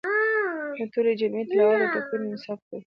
د ټولې جمعې تلاوت او تکبیرونه مې ثبت کړل.